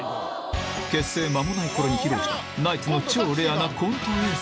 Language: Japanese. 結成間もないころに披露したナイツの超レアなコント映像